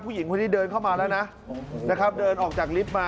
ผู้หญิงคนนี้เดินเข้ามาแล้วนะนะครับเดินออกจากลิฟต์มา